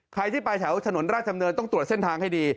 ใครที่ไปแถวถนนราชดำเนินต้องตรวจเส้นทางให้ดี